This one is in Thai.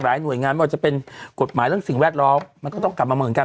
หน่วยงานไม่ว่าจะเป็นกฎหมายเรื่องสิ่งแวดล้อมมันก็ต้องกลับมาเหมือนกัน